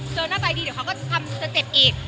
เจอหน้าตาดีเดี๋ยวเขาก็จะเจ็บอีก